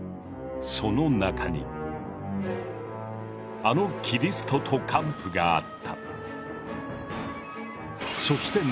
その中にあの「キリストと姦婦」があった。